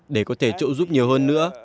để có thể trợ giúp nhiều hơn nữa